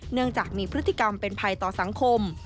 เนื่องจากมีพฤติกรรมเป็นภัยต่อสังคม